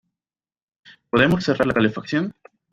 ¿Podemos cerrar la calefacción?